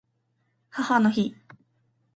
母の日